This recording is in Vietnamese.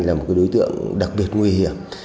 là một đối tượng đặc biệt nguy hiểm